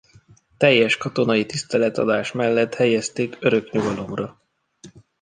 Teljes katonai tiszteletadás mellett helyezték örök nyugalomra.